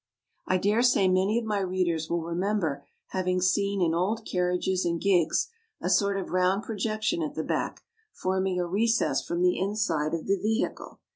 I dare say many of my readers will remember having seen in old carriages and gigs, a sort of round projection at the back, forming a recess from the inside of the vehicle.